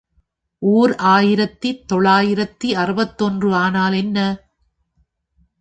ஓர் ஆயிரத்து தொள்ளாயிரத்து அறுபத்தொன்று ஆனால் என்ன?